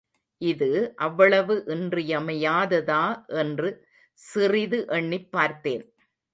இது அவ்வளவு இன்றியமையாததா என்று சிறிது எண்ணிப் பார்த்தேன்.